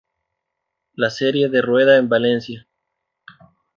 La serie de rueda en Valencia.